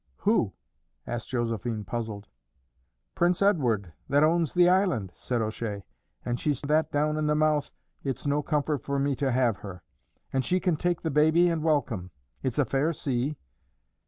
"Who?" asked Josephine, puzzled. "Prince Edward, that owns the island," said O'Shea. "And she's that down in the mouth, it's no comfort for me to have her; and she can take the baby and welcome. It's a fair sea."